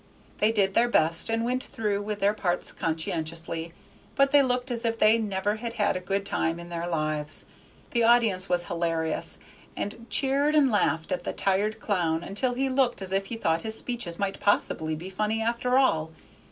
They did their best, and went through with their parts conscientiously, but they looked as if they never had had a good time in their lives. The audience was hilarious, and cheered and laughed at the tired clown until he looked as if he thought his speeches might possibly be funny, after all.